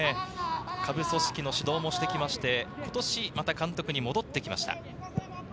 下部組織の指導もしてきまして、今年また監督に戻ってきました。